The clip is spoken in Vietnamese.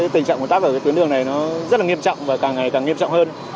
tình trạng của tắc ở tuyến đường này rất nghiêm trọng và càng ngày càng nghiêm trọng hơn